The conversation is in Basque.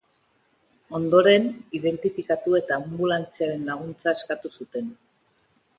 Ondoren, identifikatu eta anbulantziaren laguntza eskatu zuten.